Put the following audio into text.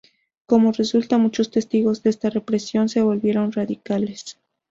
Como resultado, muchos testigos de esta represión se volvieron radicales.